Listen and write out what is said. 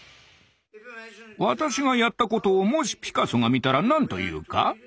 私がやったことをもしピカソが見たら何と言うか？